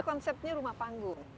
konsepnya rumah panggung